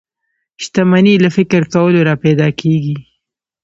شتمني له فکر کولو را پيدا کېږي.